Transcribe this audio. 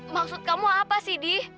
maksud kamu apa sih di